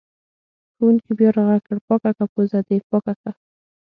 ښوونکي بیا راغږ کړ: پاکه که پوزه دې پاکه که!